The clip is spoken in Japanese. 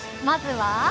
まずは。